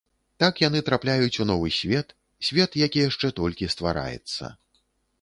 Так яны трапляюць у новы свет, свет, які яшчэ толькі ствараецца.